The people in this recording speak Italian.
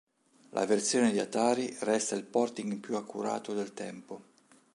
La versione di Atari resta il porting più accurato del tempo.